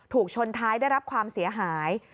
ถูกชนท้ายได้รับความเสียหาย